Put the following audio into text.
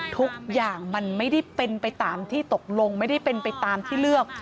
ทุกอย่างมันไม่ได้เป็นไปตามที่ตกลงไม่ได้เป็นไปตามที่เลือก